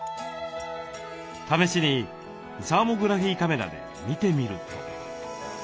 試しにサーモグラフィーカメラで見てみると。